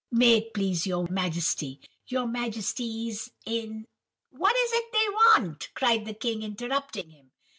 "'May it please your Majesty, your Majesty's in—' "'What is it they want?' cried the king, interrupting him.